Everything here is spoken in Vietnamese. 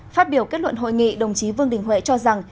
phát biểu kết luận hội nghị đồng chí vương đình huệ cho rằng